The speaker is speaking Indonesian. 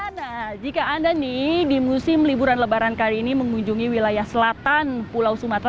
nah jika anda nih di musim liburan lebaran kali ini mengunjungi wilayah selatan pulau sumatera